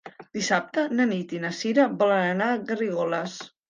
Dissabte na Nit i na Cira volen anar a Garrigoles.